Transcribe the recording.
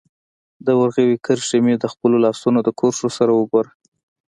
د ورغوي کرښي مي د خپلو لاسونو د کرښو سره وګوره